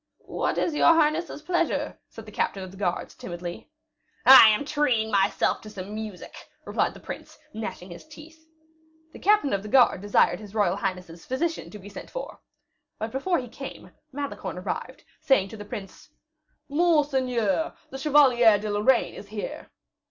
"What is your highness's pleasure?" said the captain of the guards, timidly. "I am treating myself to some music," replied the prince, gnashing his teeth. The captain of the guards desired his royal highness's physician to be sent for. But before he came, Malicorne arrived, saying to the prince, "Monseigneur, the Chevalier de Lorraine is here."